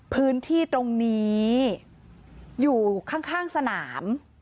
พื้นที่ตรงนี้อยู่ข้างสนาม